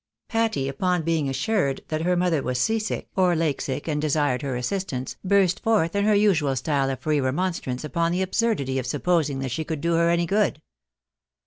Patty, upon being assured that her mother was sea sick, or lake sick, and desired her assistance, burst forth in her usual style of free remonstrance upon the absurdity of supposing that she could do her any good.